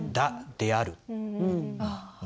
である